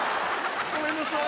ごめんなさい。